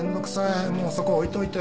もうそこ置いといて。